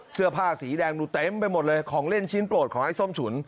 เสื้อผ้าสีแดงดูเต็มไปหมดเลยของเล่นชิ้นโปรดของไอ้ส้มฉุน